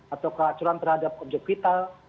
atau keracuran terhadap objek vital